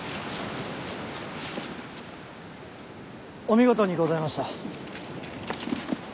お見事にございました。